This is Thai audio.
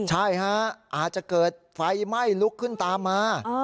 ใช่ฮะอาจจะเกิดไฟไหม้ลุกขึ้นตามมา